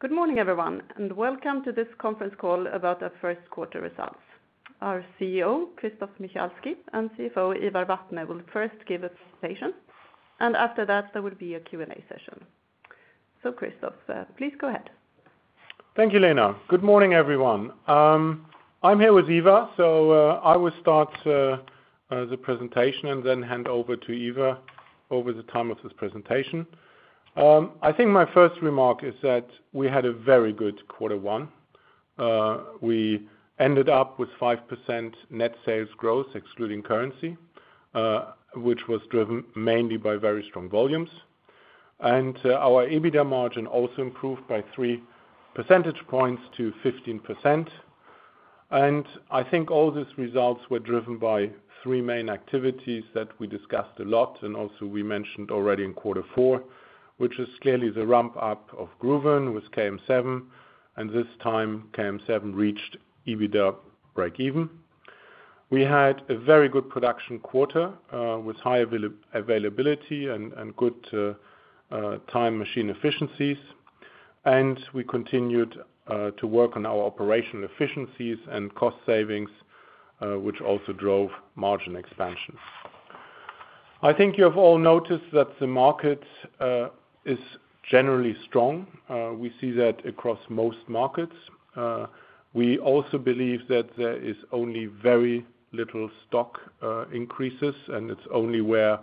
Good morning, everyone, and welcome to this conference call about our first quarter results. Our CEO, Christoph Michalski, and CFO, Ivar Vatne, will first give a presentation, and after that, there will be a Q&A session. Christoph, please go ahead. Thank you, Lena. Good morning, everyone. I'm here with Ivar, I will start the presentation and then hand over to Ivar over the time of this presentation. I think my first remark is that we had a very good quarter one. We ended up with 5% net sales growth excluding currency, which was driven mainly by very strong volumes. Our EBITDA margin also improved by 3% points to 15%. I think all these results were driven by three main activities that we discussed a lot, and also we mentioned already in quarter four, which is clearly the ramp-up of Gruvön with KM7, and this time KM7 reached EBITDA break even. We had a very good production quarter, with high availability and good time machine efficiencies. We continued to work on our operational efficiencies and cost savings, which also drove margin expansion. I think you have all noticed that the market is generally strong. We see that across most markets. We also believe that there is only very little stock increases, and it's only where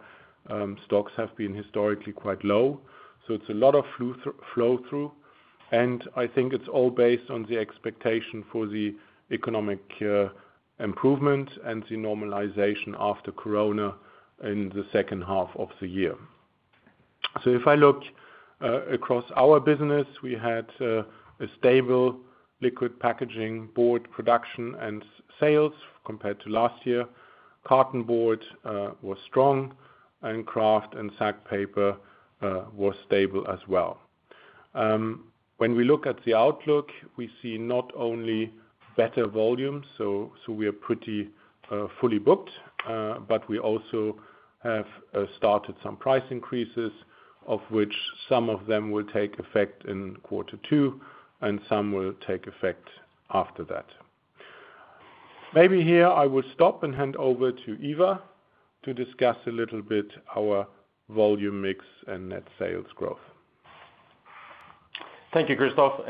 stocks have been historically quite low. It's a lot of flow-through, and I think it's all based on the expectation for the economic improvement and the normalization after Corona in the second half of the year. If I look across our business, we had a stable liquid packaging board production and sales compared to last year. Cartonboard was strong, and kraft and sack paper were stable as well. When we look at the outlook, we see not only better volumes, so we are pretty fully booked, but we also have started some price increases, of which some of them will take effect in quarter two, and some will take effect after that. Maybe here I will stop and hand over to Ivar to discuss a little bit our volume mix and net sales growth. Thank you, Christoph.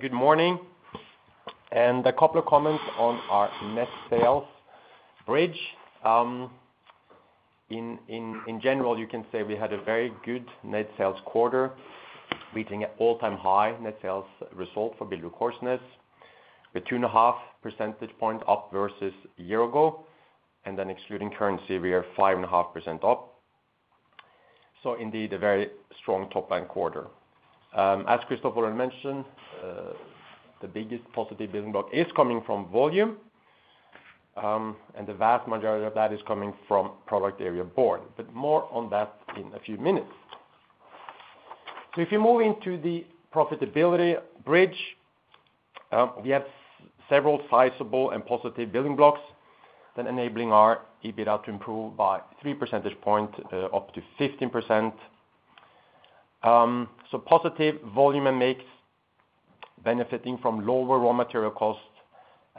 Good morning. A couple of comments on our net sales bridge. In general, you can say we had a very good net sales quarter, beating an all-time high net sales result for BillerudKorsnäs. We're 2.5% point up versus a year ago, excluding currency, we are 5.5% up. Indeed, a very strong top-line quarter. As Christoph already mentioned, the biggest positive building block is coming from volume, the vast majority of that is coming from product area board. More on that in a few minutes. If you move into the profitability bridge, we have several sizable and positive building blocks that enabling our EBITDA to improve by 3% point up to 15%. Positive volume and mix, benefiting from lower raw material costs,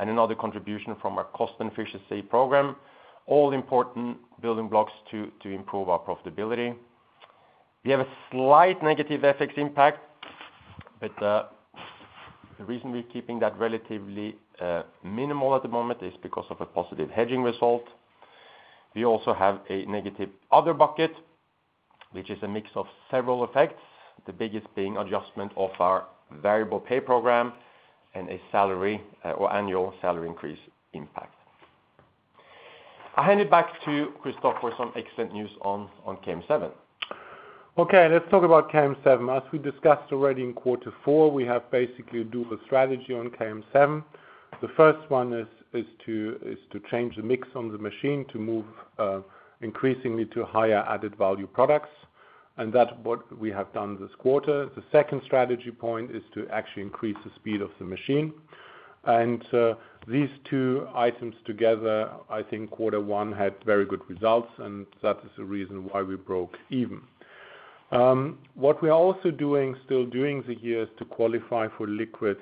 another contribution from our cost efficiency program, all important building blocks to improve our profitability. We have a slight negative FX impact, but the reason we're keeping that relatively minimal at the moment is because of a positive hedging result. We also have a negative other bucket, which is a mix of several effects, the biggest being adjustment of our variable pay program and annual salary increase impact. I hand it back to Christoph for some excellent news on KM7. Okay, let's talk about KM7. As we discussed already in Q4, we have basically a dual strategy on KM7. The first one is to change the mix on the machine to move increasingly to higher added value products, and that's what we have done this quarter. The second strategy point is to actually increase the speed of the machine. These two items together, I think Q1 had very good results, and that is the reason why we broke even. What we are also doing, still doing the year, is to qualify for liquid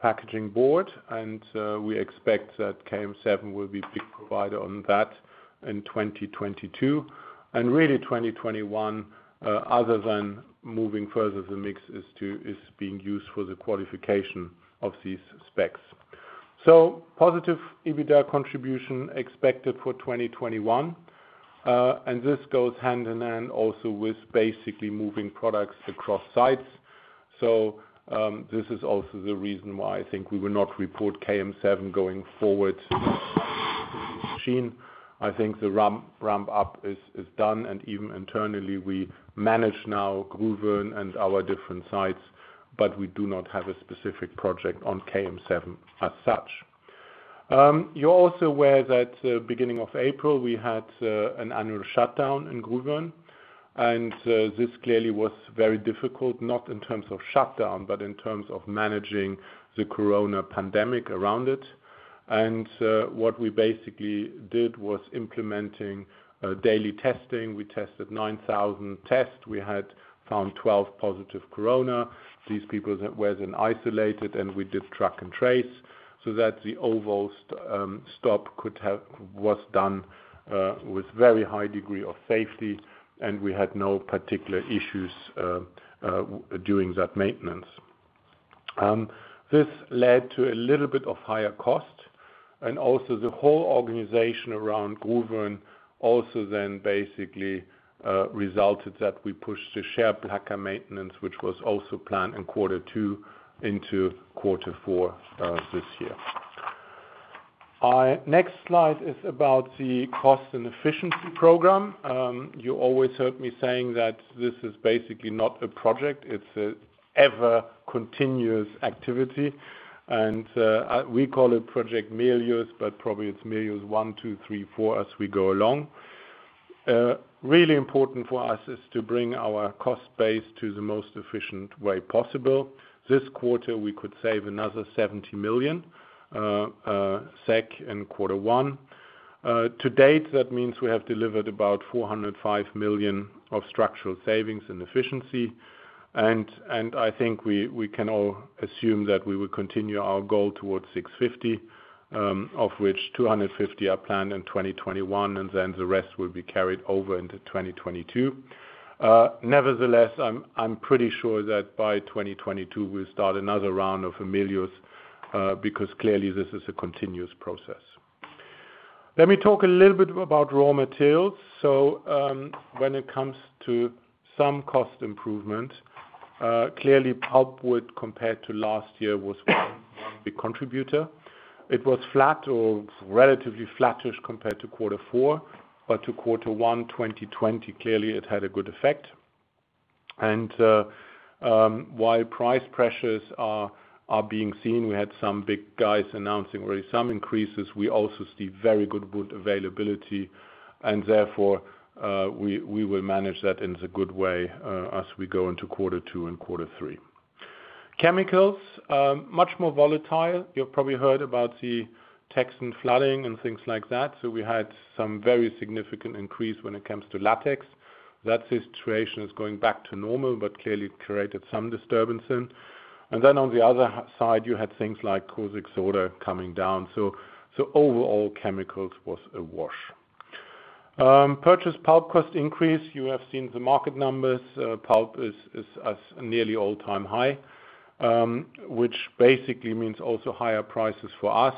packaging board, and we expect that KM7 will be a big provider on that in 2022. Really 2021, other than moving further, the mix is being used for the qualification of these specs. Positive EBITDA contribution expected for 2021. This goes hand in hand also with basically moving products across sites. This is also the reason why I think we will not report KM7 going forward as a separate machine. I think the ramp-up is done, and even internally, we manage now Gruvön and our different sites. We do not have a specific project on KM7 as such. You're also aware that beginning of April, we had an annual shutdown in Gruvön, and this clearly was very difficult, not in terms of shutdown, but in terms of managing the Corona pandemic around it. What we basically did was implementing daily testing. We tested 9,000 tests. We had found 12 positive Corona. These people were then isolated, and we did track and trace so that the overall stop was done with very high degree of safety, and we had no particular issues during that maintenance. This led to a little bit of higher cost, and also the whole organization around Gruvön also then basically resulted that we pushed the share maintenance, which was also planned in quarter two into quarter four this year. Our next slide is about the cost and efficiency program. You always heard me saying that this is basically not a project, it's an ever continuous activity. We call it Project Melius, but probably it's Melius one, two, three, four as we go along. Really important for us is to bring our cost base to the most efficient way possible. This quarter, we could save another 70 million SEK in quarter one. To date, that means we have delivered about 405 million of structural savings and efficiency. I think we can all assume that we will continue our goal towards 650, of which 250 are planned in 2021, the rest will be carried over into 2022. Nevertheless, I'm pretty sure that by 2022, we'll start another round of Melius, because clearly this is a continuous process. Let me talk a little bit about raw materials. When it comes to some cost improvement, clearly pulpwood compared to last year was one big contributor. It was flat or relatively flattish compared to quarter four, but to quarter one 2020, clearly it had a good effect. While price pressures are being seen, we had some big guys announcing already some increases. We also see very good wood availability, therefore, we will manage that in the good way as we go into quarter two and quarter three. Chemicals, much more volatile. You've probably heard about the Texan flooding and things like that. We had some very significant increase when it comes to latex. That situation is going back to normal, but clearly it created some disturbance then. On the other side, you had things like caustic soda coming down. Overall, chemicals was a wash. Purchase pulp cost increase. You have seen the market numbers. Pulp is at a nearly all-time high, which basically means also higher prices for us,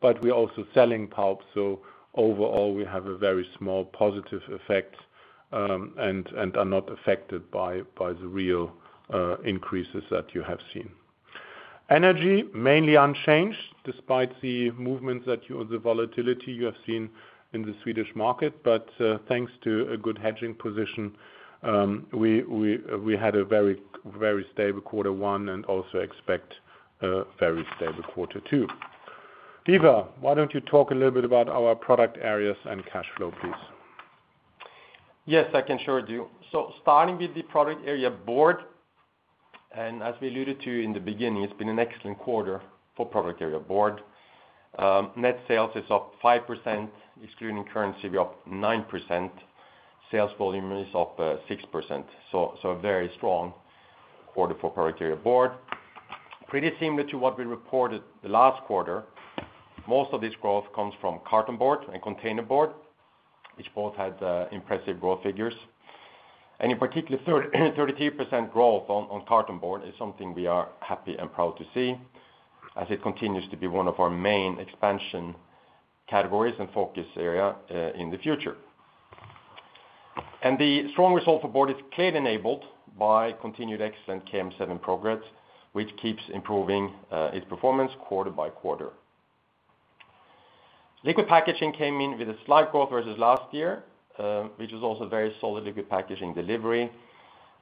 but we're also selling pulp, so overall, we have a very small positive effect, and are not affected by the real increases that you have seen. Energy, mainly unchanged despite the volatility you have seen in the Swedish market. Thanks to a good hedging position, we had a very stable quarter one and also expect a very stable quarter two. Ivar, why don't you talk a little bit about our product areas and cash flow, please? Yes, I can sure do. Starting with the product area board, and as we alluded to in the beginning, it's been an excellent quarter for product area board. Net sales is up 5%, excluding currency, we're up 9%. Sales volume is up 6%. A very strong quarter for product area board. Pretty similar to what we reported the last quarter. Most of this growth comes from cartonboard and containerboard, which both had impressive growth figures. In particular, 33% growth on cartonboard is something we are happy and proud to see, as it continues to be one of our main expansion categories and focus area in the future. The strong result for board is clearly enabled by continued excellent KM7 progress, which keeps improving its performance quarter by quarter. Liquid packaging came in with a slight growth versus last year, which was also very solid liquid packaging delivery.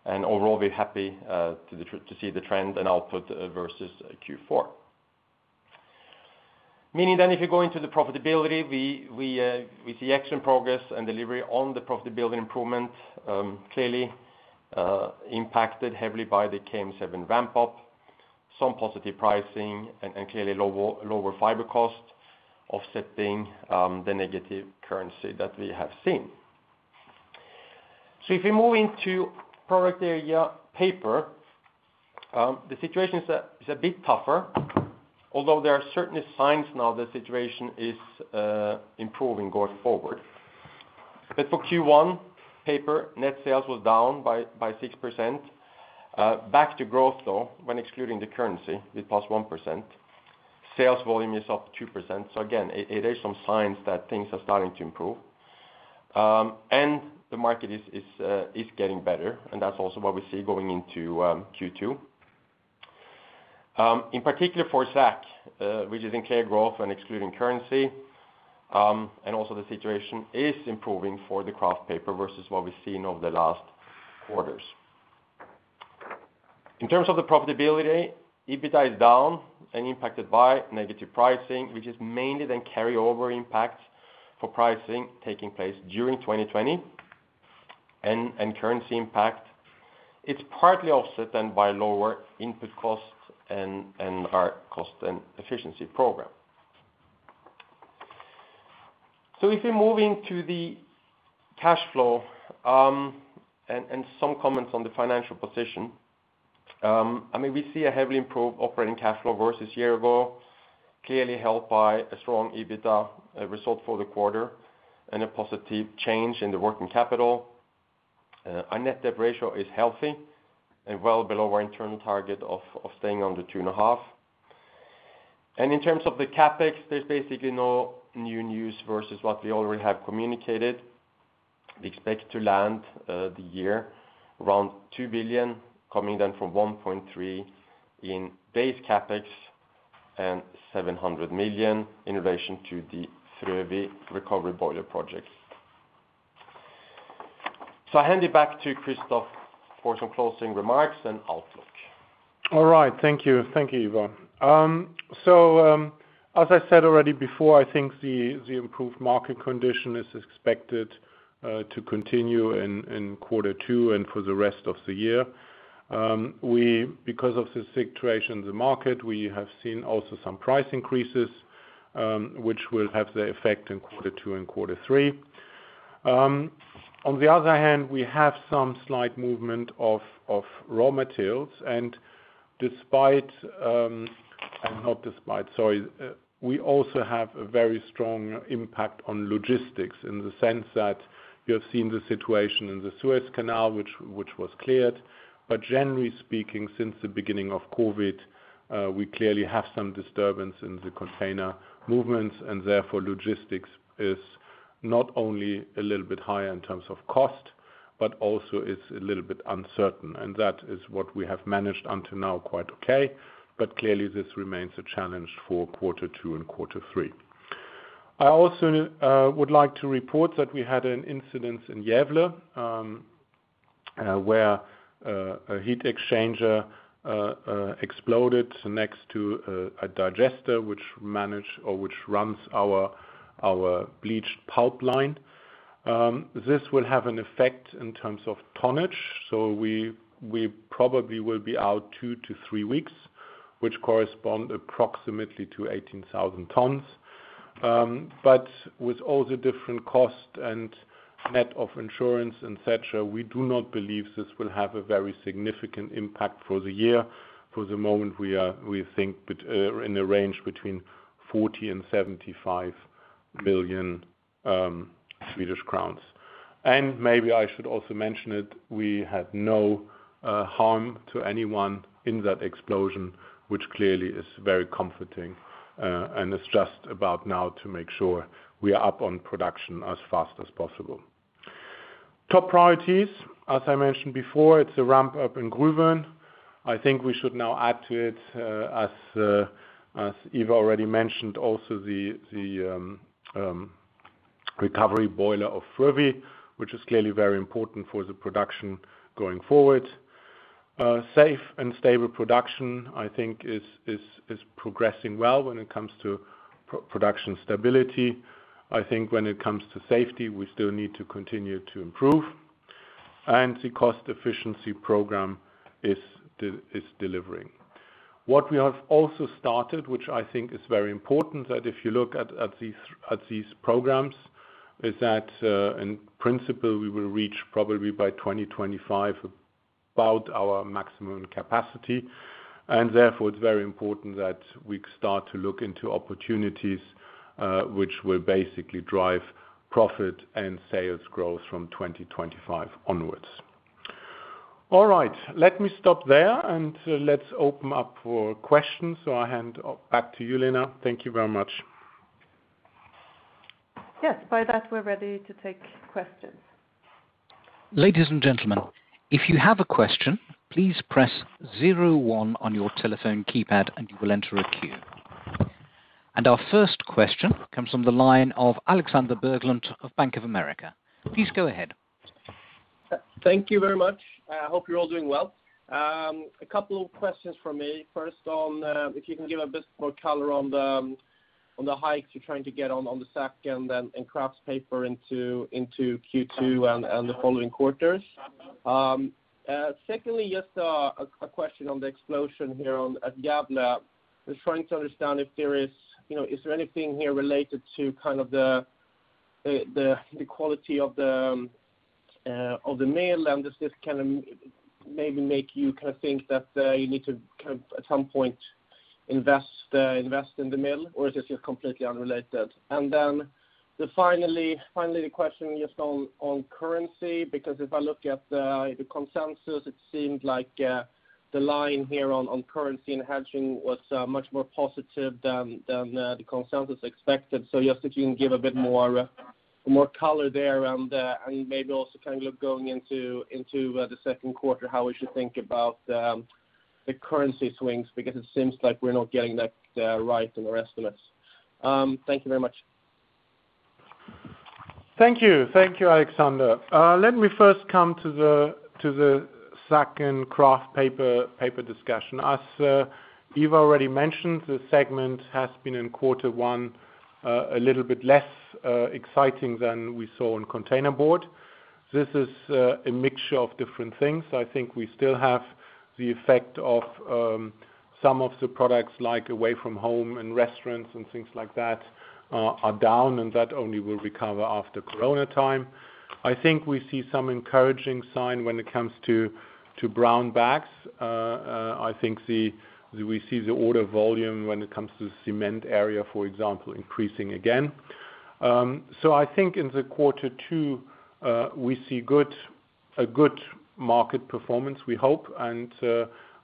Overall, we're happy to see the trend and output versus Q4. If you go into the profitability, we see excellent progress and delivery on the profitability improvement, clearly impacted heavily by the KM7 ramp-up, some positive pricing and clearly lower fiber cost offsetting the negative currency that we have seen. If we move into product area paper, the situation is a bit tougher, although there are certainly signs now the situation is improving going forward. For Q1 paper, net sales was down by 6%. Back to growth though, when excluding the currency, with plus 1%. Sales volume is up 2%. Again, it is some signs that things are starting to improve. The market is getting better and that's also what we see going into Q2. Also the situation is improving for sack, which is in clear growth when excluding currency. The situation is improving for the kraft paper versus what we've seen over the last quarters. In terms of the profitability, EBITDA is down and impacted by negative pricing, which is mainly the carryover impact for pricing taking place during 2020, and currency impact. It's partly offset then by lower input costs and our cost and efficiency program. If we move into the cash flow, and some comments on the financial position. We see a heavily improved operating cash flow versus year ago, clearly helped by a strong EBITDA result for the quarter and a positive change in the working capital. Our net debt ratio is healthy and well below our internal target of staying under two and a half. In terms of the CapEx, there's basically no new news versus what we already have communicated. We expect to land, the year around 2 billion, coming down from 1.3 billion in base CapEx and 700 million in relation to the Frövi recovery boiler project. I'll hand it back to Christoph for some closing remarks and outlook. All right. Thank you, Ivar. As I said already before, I think the improved market condition is expected to continue in quarter two and for the rest of the year. Because of the situation in the market, we have seen also some price increases, which will have the effect in quarter two and quarter three. On the other hand, we have some slight movement of raw materials. We also have a very strong impact on logistics in the sense that you have seen the situation in the Suez Canal, which was cleared. Generally speaking, since the beginning of COVID, we clearly have some disturbance in the container movements and therefore logistics is not only a little bit higher in terms of cost, but also is a little bit uncertain. That is what we have managed until now quite okay. Clearly this remains a challenge for quarter two and quarter three. I also would like to report that we had an incident in Gävle, where a heat exchanger exploded next to a digester which manage or which runs our bleached pulp line. This will have an effect in terms of tonnage. We probably will be out two to three weeks, which correspond approximately to 18,000 tons. With all the different costs and net of insurance, et cetera, we do not believe this will have a very significant impact for the year. For the moment, we think in the range between 40 million and 75 million Swedish crowns. Maybe I should also mention it, we had no harm to anyone in that explosion, which clearly is very comforting. It's just about now to make sure we are up on production as fast as possible. Top priorities, as I mentioned before, it's a ramp-up in Gruvön. I think we should now add to it, as Ivar already mentioned, also the recovery boiler of Frövi, which is clearly very important for the production going forward. Safe and stable production, I think is progressing well when it comes to production stability. I think when it comes to safety, we still need to continue to improve. The cost efficiency program is delivering. What we have also started, which I think is very important, that if you look at these programs, is that, in principle, we will reach probably by 2025, about our maximum capacity. Therefore, it's very important that we start to look into opportunities, which will basically drive profit and sales growth from 2025 onwards. All right. Let me stop there and let's open up for questions. I hand back to you, Lena. Thank you very much. Yes. By that, we're ready to take questions. Ladies and gentlemen, if you have a question, please press zero one on your telephone keypad and you will enter a queue. Our first question comes from the line of Alexander Berglund of Bank of America. Please go ahead. Thank you very much. I hope you're all doing well. A couple of questions from me. First on, if you can give a bit more color on the hikes you're trying to get on the sack and then in kraft paper into Q2 and the following quarters. Secondly, just a question on the explosion here at Gävle. Just trying to understand if there is anything here related to the quality of the mill, and does this maybe make you think that you need to at some point invest in the mill, or is this just completely unrelated? Finally, the question just on currency, because if I look at the consensus, it seemed like the line here on currency and hedging was much more positive than the consensus expected. Just if you can give a bit more color there and maybe also kind of look going into the second quarter, how we should think about the currency swings, because it seems like we're not getting that right in our estimates. Thank you very much. Thank you, Alexander. Let me first come to the sack and kraft paper discussion. As Ivar already mentioned, this segment has been in Q1, a little bit less exciting than we saw on containerboard. This is a mixture of different things. I think we still have the effect of some of the products, like away from home and restaurants and things like that are down, and that only will recover after COVID time. I think we see some encouraging sign when it comes to brown bags. I think we see the order volume when it comes to the cement area, for example, increasing again. I think in Q2, we see a good market performance, we hope.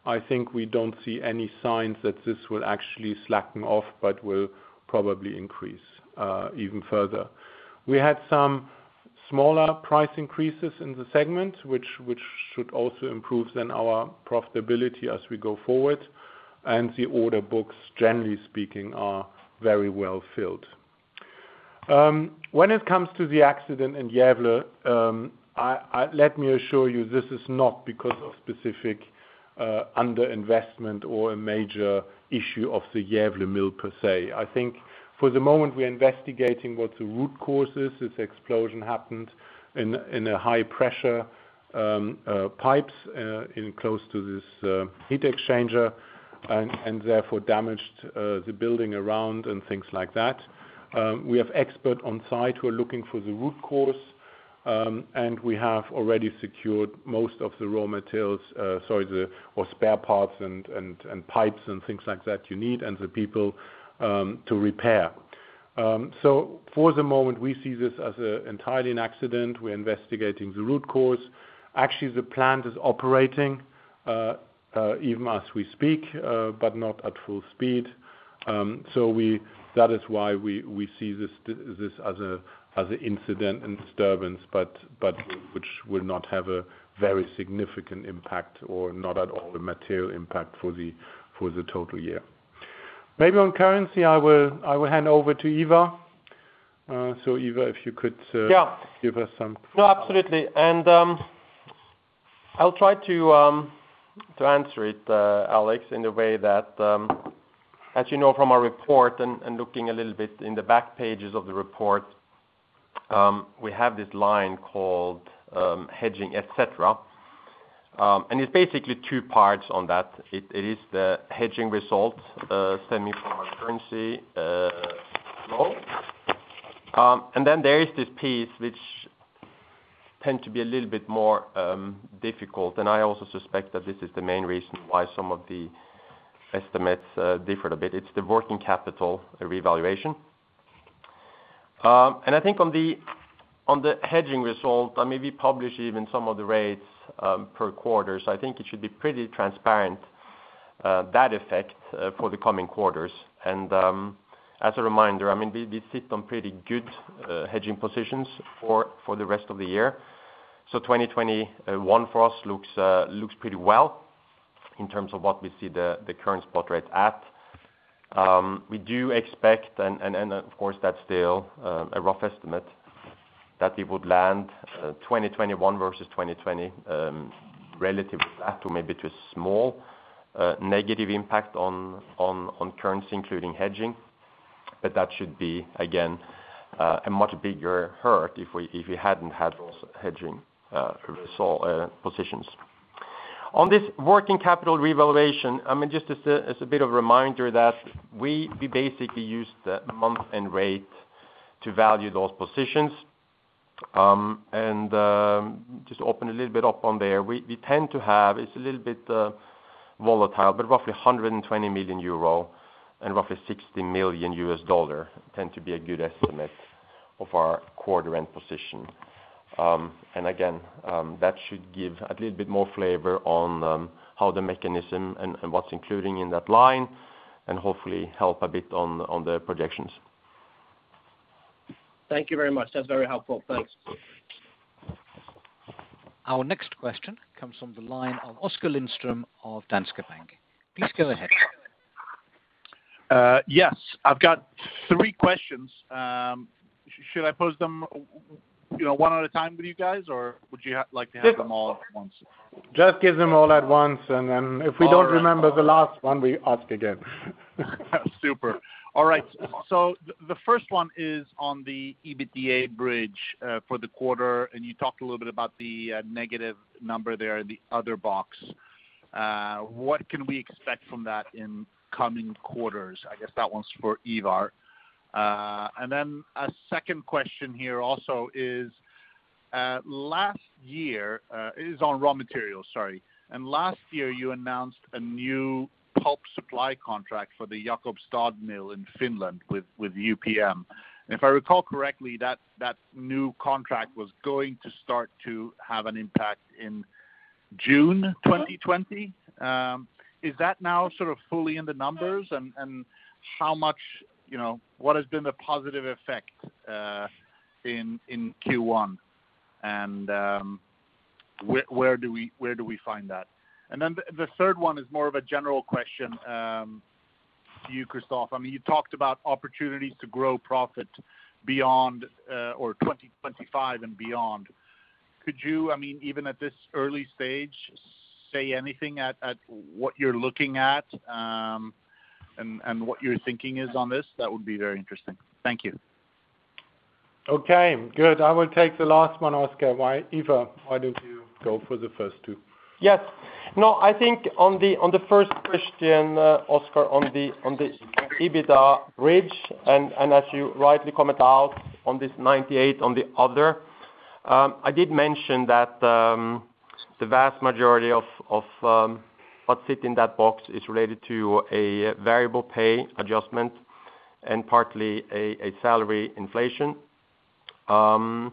I think we don't see any signs that this will actually slacken off, but will probably increase even further. We had some smaller price increases in the segment, which should also improve then our profitability as we go forward. The order books, generally speaking, are very well-filled. When it comes to the accident in Gävle, let me assure you, this is not because of specific underinvestment or a major issue of the Gävle mill per se. I think for the moment we're investigating what the root cause is. This explosion happened in high-pressure pipes close to this heat exchanger and therefore damaged the building around and things like that. We have expert on site who are looking for the root cause, and we have already secured most of the spare parts and pipes and things like that you need and the people to repair. For the moment, we see this as entirely an accident. We're investigating the root cause. Actually, the plant is operating, even as we speak, but not at full speed. That is why we see this as an incident and disturbance, but which will not have a very significant impact or not at all a material impact for the total year. Maybe on currency, I will hand over to Ivar. Ivar, if you could. Yeah give us some. No, absolutely. I'll try to answer it, Alex, in a way that as you know from our report and looking a little bit in the back pages of the report, we have this line called hedging, et cetera. It's basically two parts on that. It is the hedging result stemming from our currency flow. There is this piece which tend to be a little bit more difficult. I also suspect that this is the main reason why some of the estimates differ a bit. It's the working capital revaluation. I think on the hedging result, I mean, we publish even some of the rates per quarter. I think it should be pretty transparent, that effect for the coming quarters. As a reminder, we sit on pretty good hedging positions for the rest of the year. 2021 for us looks pretty well in terms of what we see the current spot rate at. We do expect, and of course, that's still a rough estimate, that we would land 2021 versus 2020, relative flat or maybe to a small negative impact on currency, including hedging. That should be, again, a much bigger hurt if we hadn't had those hedging result positions. On this working capital revaluation, just as a bit of a reminder that we basically use the month-end rate to value those positions. Just open a little bit up on there. We tend to have, it's a little bit volatile, but roughly 120 million euro and roughly $60 million tend to be a good estimate of our quarter-end position. Again, that should give a little bit more flavor on how the mechanism and what's including in that line and hopefully help a bit on the projections. Thank you very much. That's very helpful. Thanks. Our next question comes from the line of Oskar Lindström of Danske Bank. Please go ahead. Yes. I've got three questions. Should I pose them one at a time with you guys, or would you like to have them all at once? Just give them all at once, and then if we don't remember the last one, we ask again. Super. All right. The first one is on the EBITDA bridge for the quarter, and you talked a little bit about the negative number there in the other box. What can we expect from that in coming quarters? I guess that one's for Ivar. A second question here also is, it is on raw materials, sorry. Last year you announced a new pulp supply contract for the Jakobstad mill in Finland with UPM. If I recall correctly, that new contract was going to start to have an impact in June 2020. Is that now sort of fully in the numbers? What has been the positive effect in Q1, and where do we find that? The third one is more of a general question to you, Christoph. You talked about opportunities to grow profit 2025 and beyond. Could you, even at this early stage, say anything at what you're looking at, and what your thinking is on this, that would be very interesting. Thank you. Okay, good. I will take the last one, Oskar. Ivar, why don't you go for the first two? Yes. No, I think on the first question, Oskar, on the EBITDA bridge, as you rightly comment out on this 98 on the other, I did mention that the vast majority of what sit in that box is related to a variable pay adjustment and partly a salary inflation. The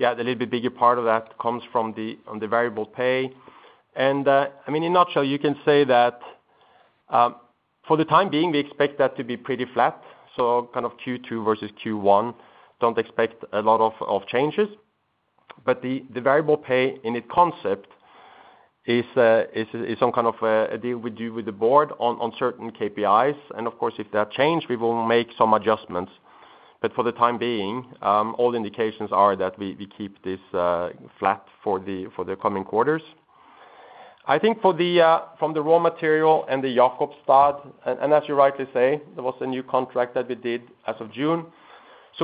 little bit bigger part of that comes from on the variable pay. In a nutshell, you can say that, for the time being, we expect that to be pretty flat, so Q2 versus Q1, don't expect a lot of changes. The variable pay in its concept is some kind of a deal we do with the board on certain KPIs, and of course, if that change, we will make some adjustments. For the time being, all indications are that we keep this flat for the coming quarters. I think from the raw material and the Jakobstad, and as you rightly say, there was a new contract that we did as of June.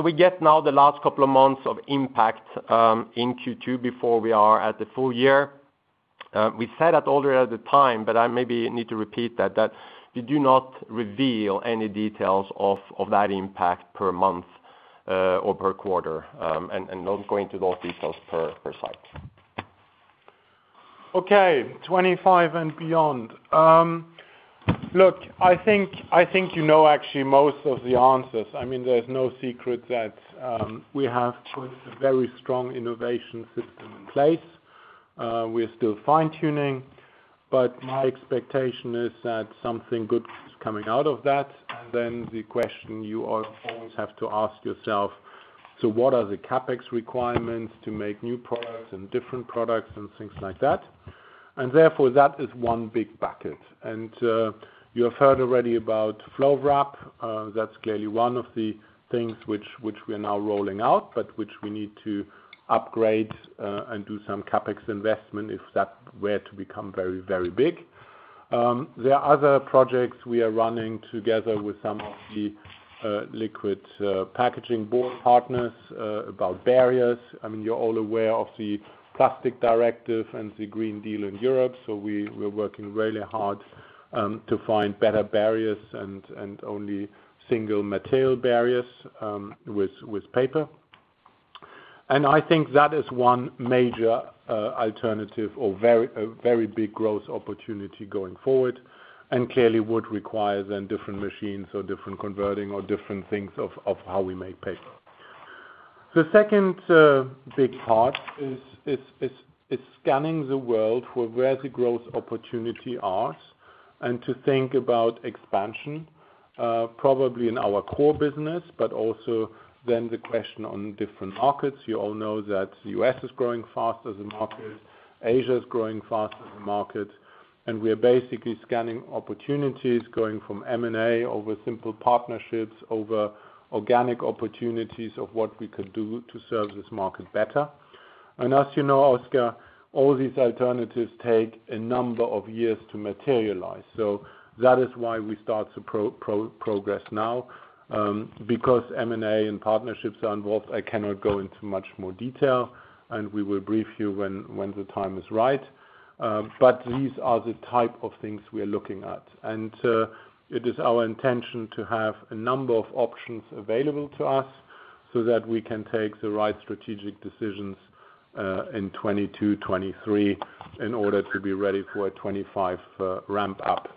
We get now the last couple of months of impact, in Q2 before we are at the full year. We said that already at the time, but I maybe need to repeat that we do not reveal any details of that impact per month or per quarter, and not going to those details per site. Okay. 2025 and beyond. I think you know actually most of the answers. There's no secret that we have put a very strong innovation system in place. We're still fine-tuning, my expectation is that something good is coming out of that. The question you always have to ask yourself, "What are the CapEx requirements to make new products and different products and things like that?" That is one big bucket. You have heard already about Flow Wrap. That's clearly one of the things which we are now rolling out, which we need to upgrade, and do some CapEx investment if that were to become very big. There are other projects we are running together with some of the liquid packaging board partners, about barriers. You're all aware of the plastic directive and the Green Deal in Europe. We're working really hard to find better barriers and only single material barriers with paper. I think that is one major alternative or a very big growth opportunity going forward, and clearly would require then different machines or different converting or different things of how we make paper. The second big part is scanning the world for where the growth opportunities are and to think about expansion, probably in our core business, but also then the question on different markets. You all know that the U.S. is growing fast as a market. Asia is growing fast as a market. We are basically scanning opportunities, going from M&A over simple partnerships, over organic opportunities of what we could do to serve this market better. As you know, Oskar, all these alternatives take a number of years to materialize. That is why we start to progress now. Because M&A and partnerships are involved, I cannot go into much more detail, and we will brief you when the time is right. These are the type of things we are looking at. It is our intention to have a number of options available to us so that we can take the right strategic decisions, in 2022, 2023, in order to be ready for a 2025, ramp up.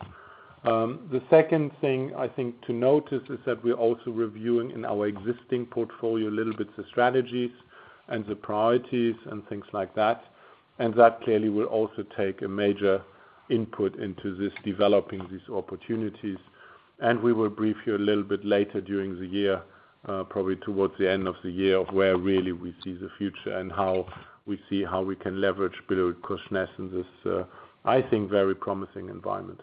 The second thing I think to notice is that we're also reviewing in our existing portfolio a little bit the strategies and the priorities and things like that. That clearly will also take a major input into this, developing these opportunities. We will brief you a little bit later during the year, probably towards the end of the year, of where really we see the future and how we see how we can leverage BillerudKorsnäs in this, I think very promising environment.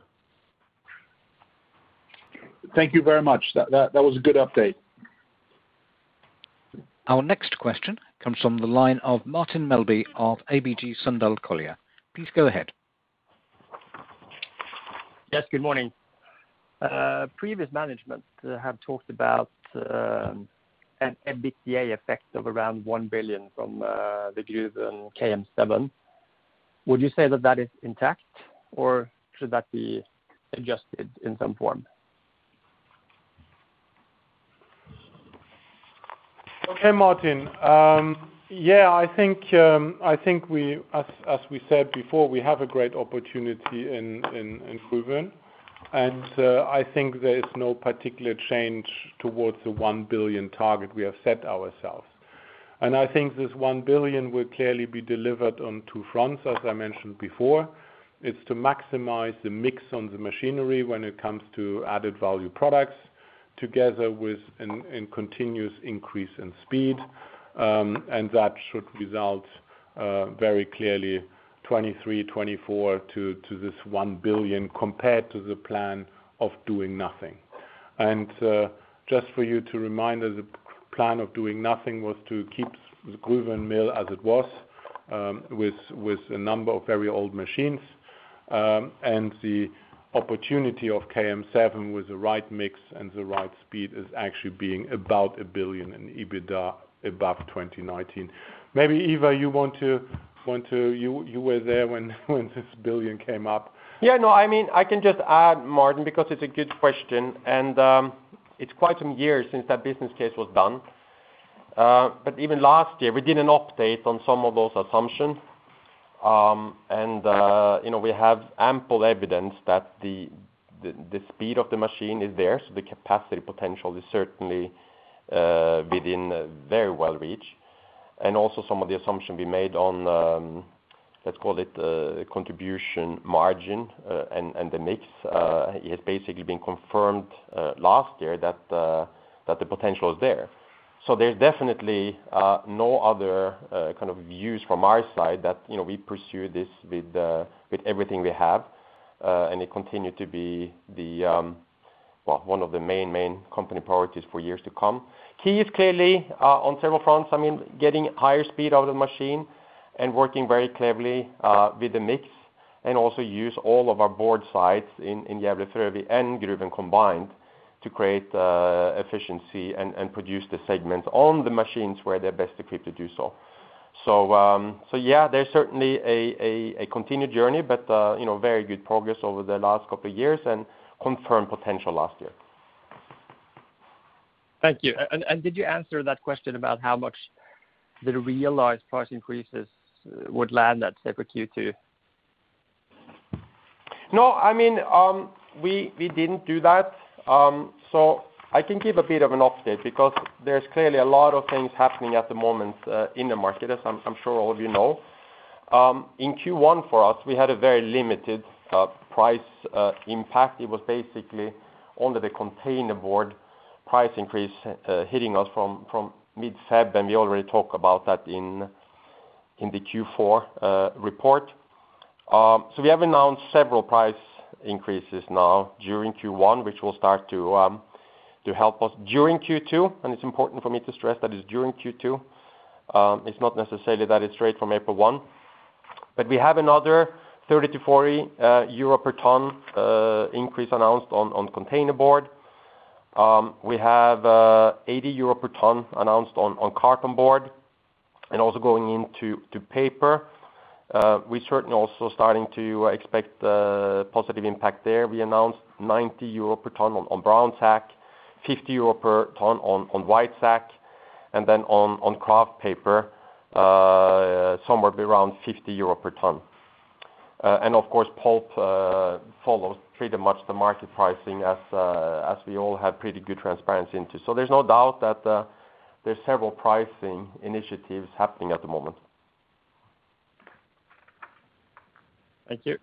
Thank you very much. That was a good update. Our next question comes from the line of Martin Melbye of ABG Sundal Collier. Please go ahead. Yes, good morning. Previous management have talked about an EBITDA effect of around 1 billion from the Gruvön KM7. Would you say that that is intact or should that be adjusted in some form? Okay, Martin. I think as we said before, we have a great opportunity in Gruvön. I think there is no particular change towards the 1 billion target we have set ourselves. I think this 1 billion will clearly be delivered on two fronts, as I mentioned before. It's to maximize the mix on the machinery when it comes to added value products together with continuous increase in speed. That should result, very clearly 2023, 2024 to this 1 billion compared to the plan of doing nothing. Just for you to remind us, the plan of doing nothing was to keep the Gruvön mill as it was, with a number of very old machines. The opportunity of KM7 with the right mix and the right speed is actually being about 1 billion in EBITDA above 2019. Maybe Ivar, you were there when this billion came up. I can just add, Martin, because it's a good question, and it's quite some years since that business case was done. Even last year, we did an update on some of those assumptions. We have ample evidence that the speed of the machine is there, so the capacity potential is certainly within very well reach. Also some of the assumption we made on, let's call it, contribution margin, and the mix, it has basically been confirmed last year that the potential is there. There's definitely no other views from our side that we pursue this with everything we have. It continue to be one of the main company priorities for years to come. Key is clearly on several fronts, getting higher speed out of the machine and working very cleverly with the mix, and also use all of our board sites in Gävle, Frövi, and Gruvön combined to create efficiency and produce the segment on the machines where they're best equipped to do so. Yeah, there's certainly a continued journey, but very good progress over the last couple of years and confirmed potential last year. Thank you. Did you answer that question about how much the realized price increases would land at, say, for Q2? No, we didn't do that. I can give a bit of an update because there's clearly a lot of things happening at the moment in the market, as I'm sure all of you know. In Q1 for us, we had a very limited price impact. It was basically only the containerboard price increase hitting us from mid-Feb, and we already talked about that in the Q4 report. We have announced several price increases now during Q1, which will start to help us during Q2. It's important for me to stress that it's during Q2. It's not necessarily that it's straight from April 1. We have another 30-40 euro per ton increase announced on containerboard. We have 80 euro per ton announced on cartonboard. Also going into paper, we certainly also starting to expect a positive impact there. We announced 90 euro per ton on brown sack, 50 euro per ton on white sack, then on kraft paper, somewhere around 50 euro per ton. Of course, pulp follows pretty much the market pricing as we all have pretty good transparency into. There's no doubt that there's several pricing initiatives happening at the moment. Thank you.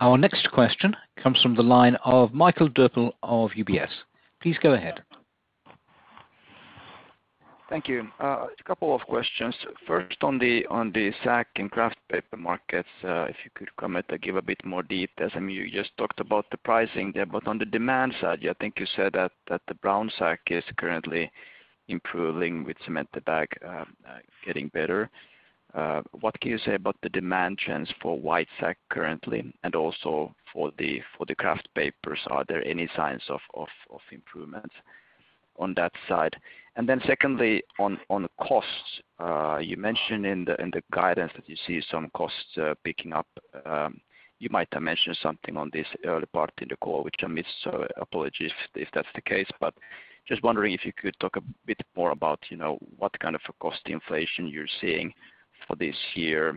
Our next question comes from the line of Mikael Doepel of UBS. Please go ahead. Thank you. A couple of questions. First, on the sack and kraft paper markets, if you could comment or give a bit more details. You just talked about the pricing there, but on the demand side, I think you said that the brown sack is currently improving with cement bag getting better. What can you say about the demand trends for white sack currently? Also for the kraft papers, are there any signs of improvement on that side? Secondly, on costs, you mentioned in the guidance that you see some costs picking up. You might have mentioned something on this early part in the call, which I missed, so apologies if that's the case. Just wondering if you could talk a bit more about what kind of a cost inflation you're seeing for this year,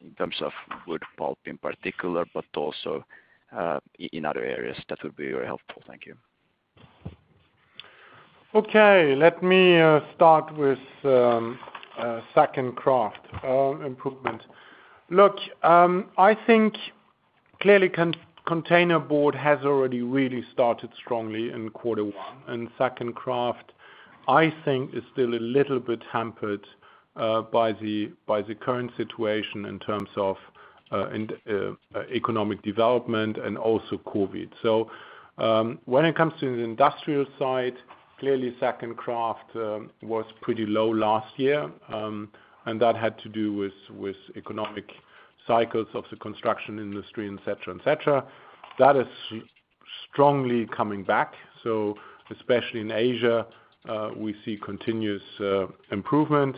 in terms of wood pulp in particular, but also in other areas. That would be very helpful. Thank you. Okay. Let me start with sack and kraft improvement. Look, I think clearly containerboard has already really started strongly in quarter one. Sack and kraft, I think is still a little bit hampered by the current situation in terms of economic development and also COVID. When it comes to the industrial side, clearly sack and kraft was pretty low last year, and that had to do with economic cycles of the construction industry, et cetera. That is strongly coming back. Especially in Asia, we see continuous improvement,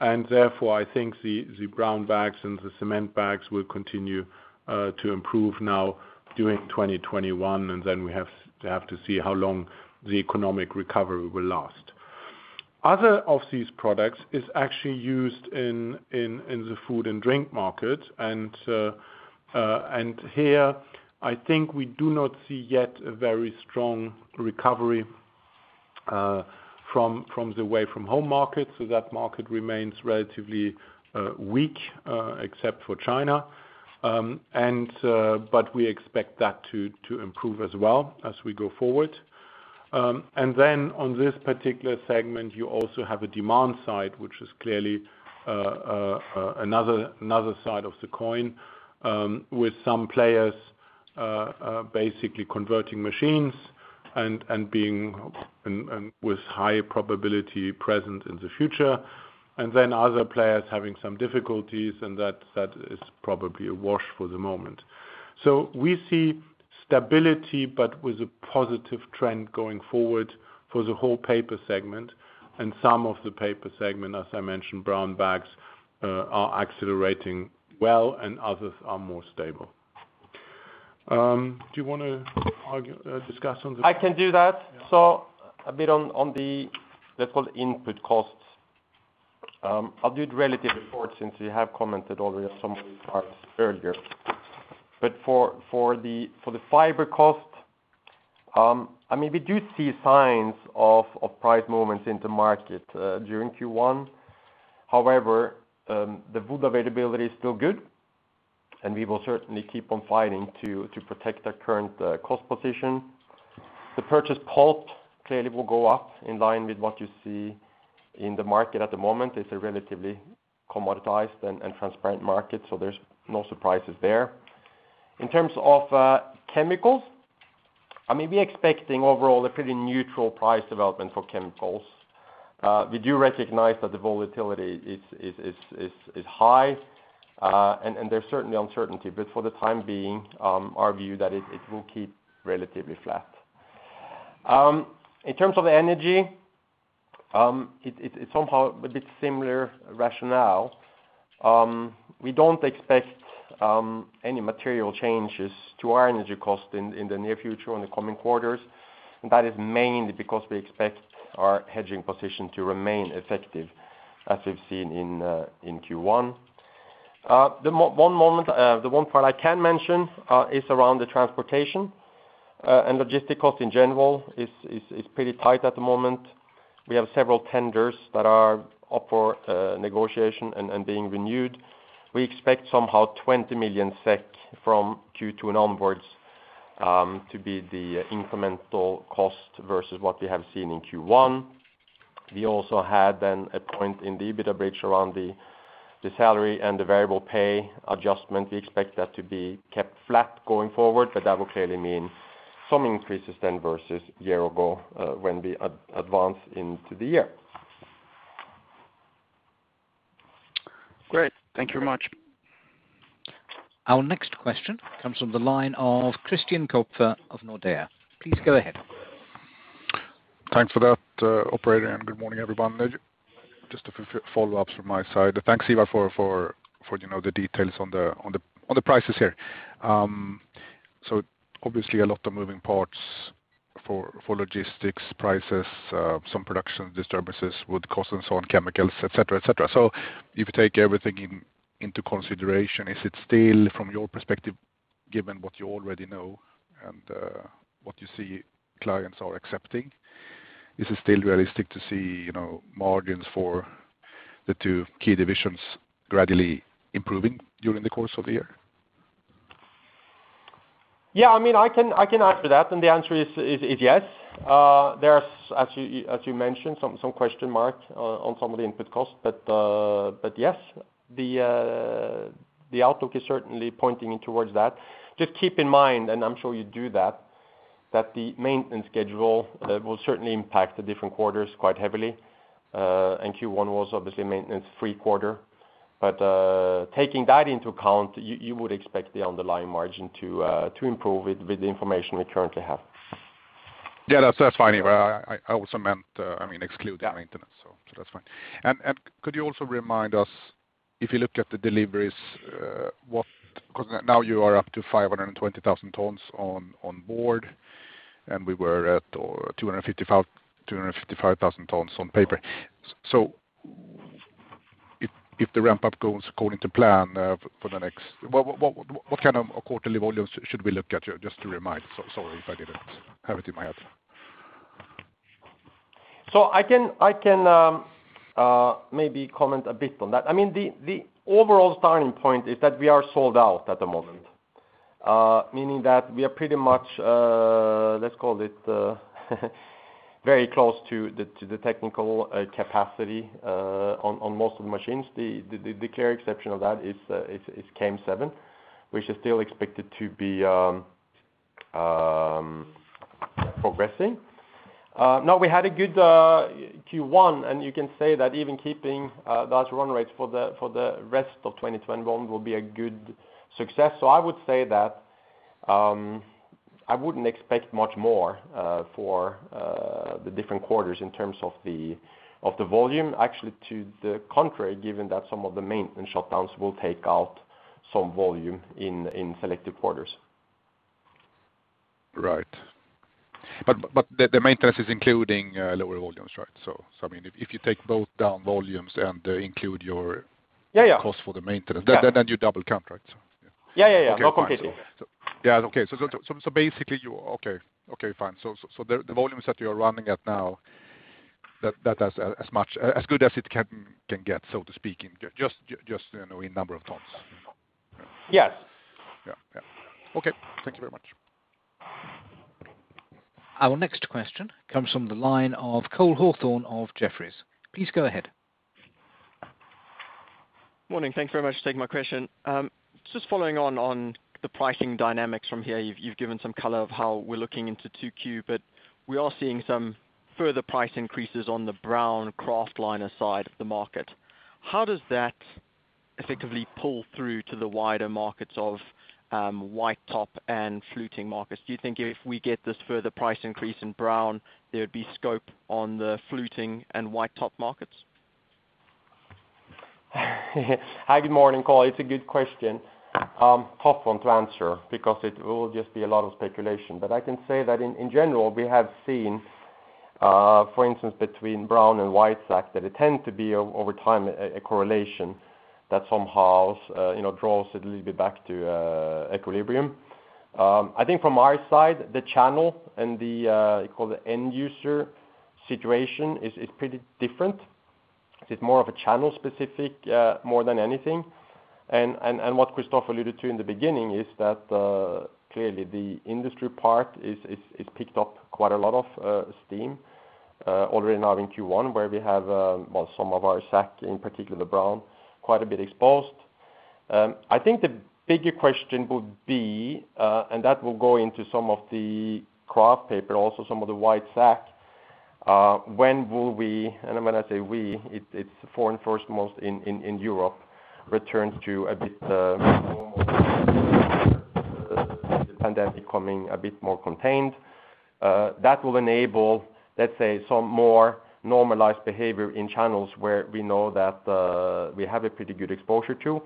and therefore, I think the brown bags and the cement bags will continue to improve now during 2021. Then we have to see how long the economic recovery will last. Other of these products is actually used in the food and drink market. Here, I think we do not see yet a very strong recovery from the away-from-home market, so that market remains relatively weak, except for China. We expect that to improve as well as we go forward. On this particular segment, you also have a demand side, which is clearly another side of the coin with some players basically converting machines and with high probability present in the future. Other players having some difficulties and that is probably a wash for the moment. We see stability, but with a positive trend going forward for the whole paper segment. Some of the paper segment, as I mentioned, brown bags, are accelerating well, and others are more stable. Do you want to discuss on the? I can do that. Yeah. A bit on the, let's call it input costs. I'll do it relative report since you have commented already on some of these parts earlier. For the fiber cost, we do see signs of price movements in the market during Q1. However, the wood availability is still good, and we will certainly keep on fighting to protect our current cost position. The purchase pulp clearly will go up in line with what you see in the market at the moment. It's a relatively commoditized and transparent market, so there's no surprises there. In terms of chemicals, we're expecting overall a pretty neutral price development for chemicals. We do recognize that the volatility is high, and there's certainly uncertainty. For the time being, our view that it will keep relatively flat. In terms of energy, it's somehow a bit similar rationale. We don't expect any material changes to our energy cost in the near future, in the coming quarters. That is mainly because we expect our hedging position to remain effective as we've seen in Q1. The one part I can mention, is around the transportation. Logistic cost in general is pretty tight at the moment. We have several tenders that are up for negotiation and being renewed. We expect somehow 20 million SEK from Q2 and onwards, to be the incremental cost versus what we have seen in Q1. We also had then a point in the EBITDA bridge around the salary and the variable pay adjustment. We expect that to be kept flat going forward, but that will clearly mean some increases then versus year-ago when we advance into the year. Great. Thank you very much. Our next question comes from the line of Christian Kopfer of Nordea. Please go ahead. Thanks for that, operator. Good morning, everyone. Just a few follow-ups from my side. Thanks, Ivar, for the details on the prices here. Obviously a lot of moving parts for logistics prices, some production disturbances with cost and so on, chemicals, et cetera. If you take everything into consideration, is it still from your perspective, given what you already know and what you see clients are accepting, is it still realistic to see margins for the two key divisions gradually improving during the course of the year? Yeah, I can answer that and the answer is yes. There are, as you mentioned, some question marks on some of the input costs. Yes, the outlook is certainly pointing towards that. Just keep in mind, and I'm sure you do that the maintenance schedule will certainly impact the different quarters quite heavily. Q1 was obviously a maintenance-free quarter. Taking that into account, you would expect the underlying margin to improve with the information we currently have. Yeah. That's fine. I also meant, excluding maintenance. Yeah. That's fine. Could you also remind us if you looked at the deliveries, because now you are up to 520,000 tons on board, and we were at 255,000 tons on paper. If the ramp-up goes according to plan, what kind of quarterly volumes should we look at here, just to remind? Sorry if I didn't have it in my head. I can maybe comment a bit on that. The overall starting point is that we are sold out at the moment, meaning that we are pretty much, let's call it, very close to the technical capacity on most of the machines. The clear exception of that is KM7, which is still expected to be progressing. No, we had a good Q1, and you can say that even keeping those run rates for the rest of 2021 will be a good success. I would say that I wouldn't expect much more for the different quarters in terms of the volume. Actually, to the contrary, given that some of the maintenance shutdowns will take out some volume in selective quarters. Right. The maintenance is including lower volumes, right? If you take both down volumes and include. Yeah cost for the maintenance. Yeah. You double count, right? Yeah. No, completely. Okay. Fine. Basically, okay, fine, the volumes that you're running at now, that as good as it can get, so to speak, just in number of tons. Yes. Yeah. Okay. Thank you very much. Our next question comes from the line of Cole Hathorn of Jefferies. Please go ahead. Morning. Thank you very much for taking my question. Just following on the pricing dynamics from here, you've given some color of how we're looking into 2Q, but we are seeing some further price increases on the brown kraft liner side of the market. How does that effectively pull through to the wider markets of white top and fluting markets? Do you think if we get this further price increase in brown, there'd be scope on the fluting and white top markets? Hi, good morning, Cole. It's a good question. Tough one to answer because it will just be a lot of speculation. I can say that in general, we have seen, for instance, between brown and white sack, that it tend to be, over time, a correlation that somehow draws a little bit back to equilibrium. I think from our side, the channel and the end user situation is pretty different. It's more of a channel specific, more than anything. What Christoph alluded to in the beginning is that, clearly the industry part has picked up quite a lot of steam, already now in Q1 where we have some of our sack, in particular the brown, quite a bit exposed. I think the bigger question would be, and that will go into some of the kraft paper, also some of the white sack, when will we, and when I say we, it's foreign first most in Europe, return to a bit more normal behavior with the pandemic becoming a bit more contained. That will enable, let's say, some more normalized behavior in channels where we know that we have a pretty good exposure to.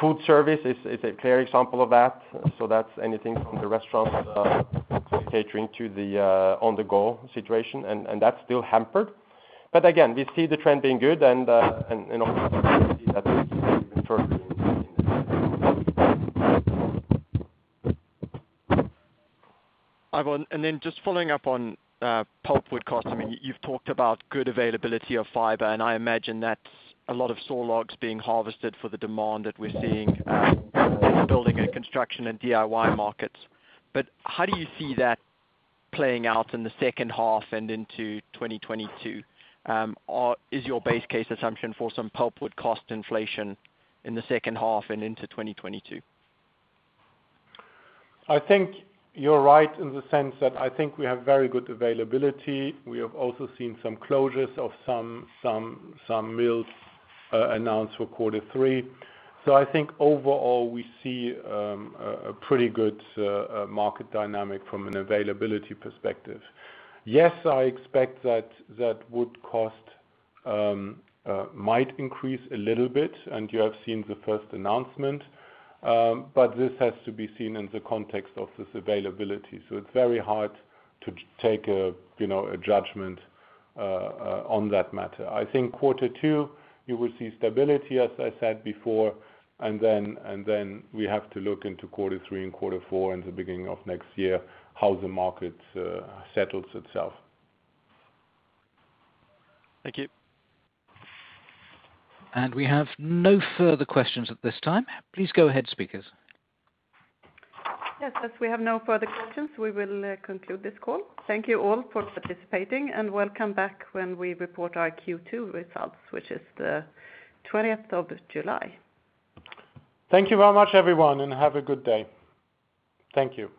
Food service is a clear example of that. That's anything from the restaurant catering to the on-the-go situation, and that's still hampered. Again, we see the trend being good and obviously we see that increasing even further in the second half. Ivar, then just following up on pulpwood cost. You've talked about good availability of fiber, and I imagine that's a lot of saw logs being harvested for the demand that we're seeing in building and construction and DIY markets. How do you see that playing out in the second half and into 2022? Is your base case assumption for some pulpwood cost inflation in the second half and into 2022? I think you're right in the sense that I think we have very good availability. We have also seen some closures of some mills announced for quarter three. I think overall, we see a pretty good market dynamic from an availability perspective. Yes, I expect that wood cost might increase a little bit, and you have seen the first announcement. This has to be seen in the context of this availability, so it is very hard to take a judgment on that matter. I think quarter two, you will see stability, as I said before, and then we have to look into quarter three and quarter four and the beginning of next year, how the market settles itself. Thank you. We have no further questions at this time. Please go ahead, speakers. Yes, as we have no further questions, we will conclude this call. Thank you all for participating, and welcome back when we report our Q2 results, which is the 20th of July. Thank you very much, everyone, and have a good day. Thank you.